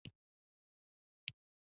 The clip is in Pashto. ښځه په بيړه راغله.